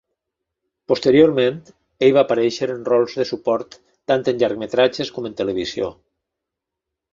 Posteriorment, ell va aparèixer en rols de suport tant en llargmetratges com en televisió.